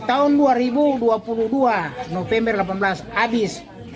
tahun dua ribu dua puluh dua november delapan belas habis